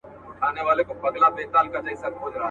ولي چي دا هم د چا ځاني شتمني ګڼل کېږي